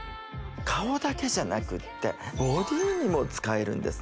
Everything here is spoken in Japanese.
顔だけじゃなくってボディにも使えるんですね